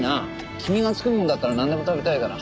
君が作るものだったらなんでも食べたいから。